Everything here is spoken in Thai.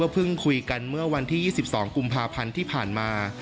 เพิ่งคุยกันเมื่อวันที่๒๒กุมภาพันธ์ที่ผ่านมา